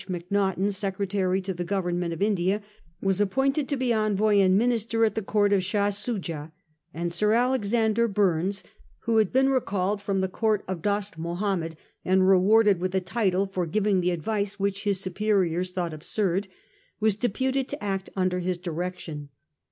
Macnaghten, Secretary to the Government of India, was appointed to be envoy and minister at the court of Shah Soojah; and Sir Alexander Burnes 236 A HISTORY OF OUR OWN TIMES. CH. XI. (who had been recalled from the court of Dost Mahomed and rewarded with a title for giving the advice which his superiors thought absurd) was deputed to act under his direction.